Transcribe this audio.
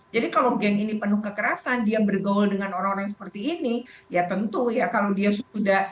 jadi kalau geng ini penuh kekerasan dia bergaul dengan orang orang seperti ini ya tentu ya kalau dia sudah